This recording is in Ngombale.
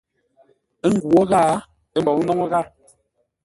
Ə́ nghwó ghâa, ə́ mbôu nóŋə́ ghâa.